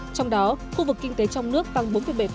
trong đó khu vực kinh tế trong nước tăng bốn bảy